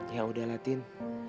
ya udah latin